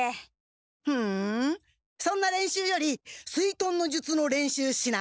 ふんそんな練習より水遁の術の練習しない？